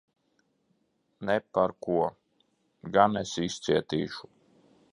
Ne par ko! Gan es izcietīšu.